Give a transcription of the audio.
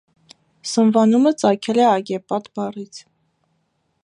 Սնվանումը ծագել է այգեպատ բառից։